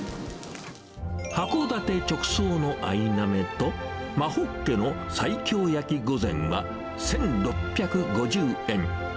函館直送のアイナメと、真ホッケの西京焼き御膳は、１６５０円。